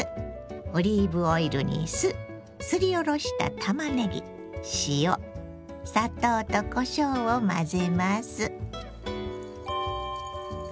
オリーブオイルに酢すりおろしたたまねぎ塩砂糖とこしょうを混ぜます。